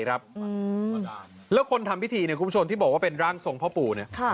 แล้วคนทำพิธีที่บอกว่าเป็นร่างทรงพ่อปู่